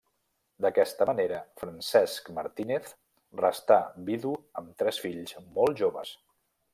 D'aquesta manera, Francesc Martínez restà vidu amb tres fills molt joves.